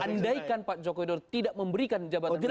andaikan pak joko widodo tidak memberikan jabatan